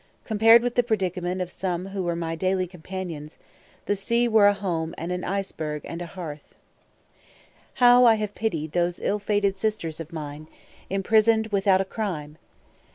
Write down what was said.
Compared with the predicament of some who were my daily companions, the sea were a home and an iceberg a hearth. How I have pitied those ill fated sisters of mine, imprisoned without a crime!